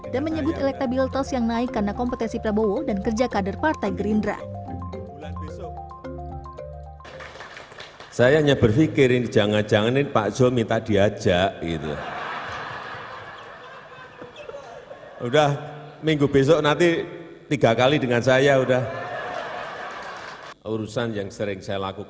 dan menyebut elektabilitas yang naik karena kompetensi prabowo dan kerja kader partai gerindra